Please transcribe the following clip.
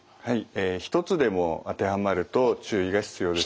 え一つでも当てはまると注意が必要です。